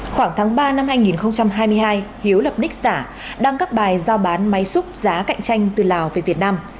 khoảng tháng ba năm hai nghìn hai mươi hai hiếu lập nic giả đăng các bài giao bán máy xúc giá cạnh tranh từ lào về việt nam